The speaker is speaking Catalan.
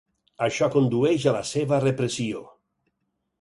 Això condueix a la seva repressió.